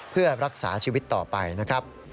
เพื่อรักษาชีวิตต่อไปนะครับ